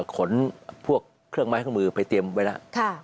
ขนพวกเครื่องไม้เครื่องมือไปเตรียมไว้แล้ว